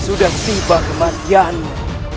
sudah tiba kematianmu